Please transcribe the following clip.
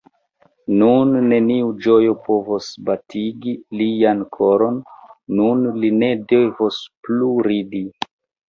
Nun neniu ĝojo povos batigi lian koron; nun li ne devos plu ridi.